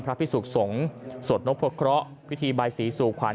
พระพิสุกษงสวดนกปะเคราะห์พิธีใบสีสูกขวัญ